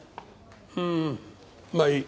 うんまあいい。